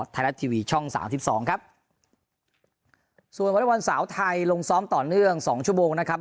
ไทยรัฐทีวีช่องสามสิบสองครับส่วนวอเล็กบอลสาวไทยลงซ้อมต่อเนื่องสองชั่วโมงนะครับ